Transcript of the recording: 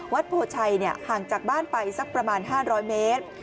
โพชัยห่างจากบ้านไปสักประมาณ๕๐๐เมตร